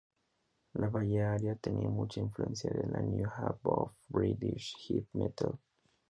La Bay Area tenía mucha influencia de la New Wave of British Heavy Metal.